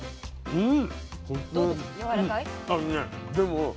うん。